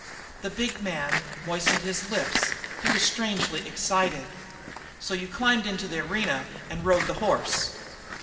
The big man moistened his lips; he was strangely excited. "So you climbed into the arena and rode the horse?"